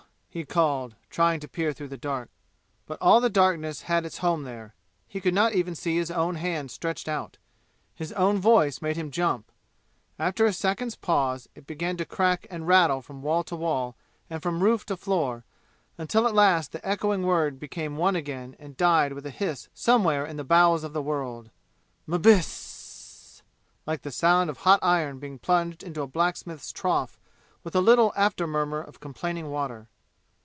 he called, trying to peer through the dark. But all the darkness had its home there. He could not even see his own hand stretched out. His own voice made him jump; after a second's pause it began to crack and rattle from wall to wall and from roof to floor, until at last the echoing word became one again and died with a hiss somewhere in the bowels of the world Mbisssss! like the sound of hot iron being plunged into a blacksmith's trough with a little after murmur of complaining water.